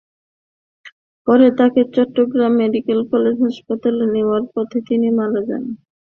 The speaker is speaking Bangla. পরে তাঁকে চট্টগ্রাম মেডিকেল কলেজ হাসপাতালে নেওয়ার পথে তিনি মারা যান।